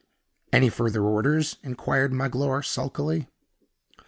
"Any further orders?" inquired Magloire, sulkily.